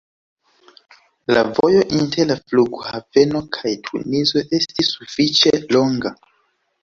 La vojo inter la flughaveno kaj Tunizo estis sufiĉe longa.